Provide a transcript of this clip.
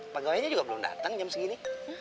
pegawainya juga belum datang jam segini